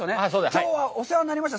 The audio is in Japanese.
きょうはお世話になりました。